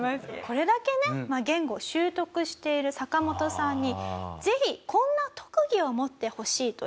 これだけね言語を習得しているサカモトさんにぜひこんな特技を持ってほしいというものをですね